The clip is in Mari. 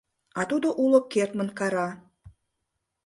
А тудо уло кертмын кара: